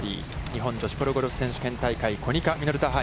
日本女子プロゴルフ選手権大会コニカミノルタ杯。